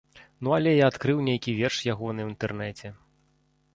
Ну але я адкрыў нейкі верш ягоны ў інтэрнэце.